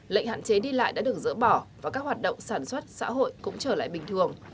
lệnh hạn chế đi lại đã được dỡ bỏ và các hoạt động sản xuất xã hội cũng trở lại bình thường